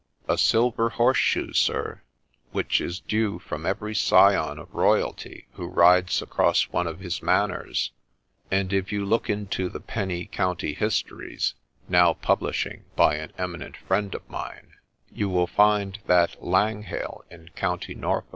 4 A silver horse shoe, sir, which is due from every scion of royalty who rides across one of his manors ; and if you look into the penny county histories, now publishing by an eminent friend of mine, you will find that Langhale in Co. Norf.